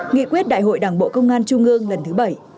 nghị quyết đại hội đảng bộ công an trung ương lần thứ bảy